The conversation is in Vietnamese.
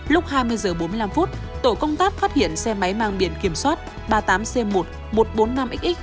lúc hai mươi h bốn mươi năm tổ công tác phát hiện xe máy mang biển kiểm soát ba mươi tám c một nghìn một trăm bốn mươi năm x